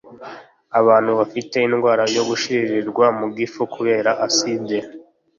Abantu bafite indwara yo gusharirirwa mu gifu kubera acide